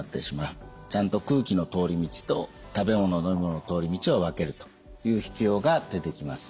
ちゃんと空気の通り道と食べ物飲み物の通り道を分けるという必要が出てきます。